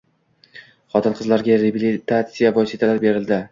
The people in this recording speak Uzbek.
Xotin-qizlarga reabilitatsiya vositalari berildi